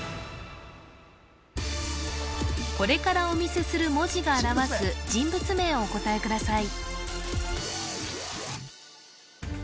これからお見せする文字が表す人物名をお答えください